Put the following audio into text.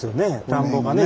田んぼがね